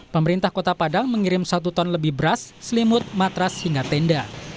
pemerintah kota padang mengirim satu ton lebih beras selimut matras hingga tenda